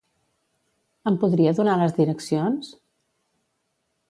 Em podria donar les direccions?